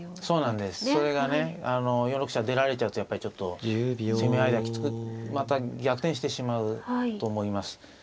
そうなんですそれがね４六飛車出られちゃうとやっぱりちょっと攻め合いではきつくまた逆転してしまうと思います。